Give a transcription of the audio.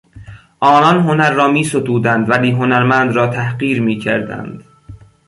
آنان هنر را میستودند ولی هنرمند را تحقیر میکردند.